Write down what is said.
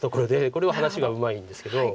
これは話がうまいんですけど。